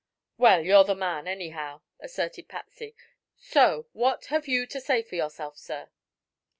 '" "Well, you're the man, anyhow," asserted Patsy. "So what have you to say for yourself, sir?"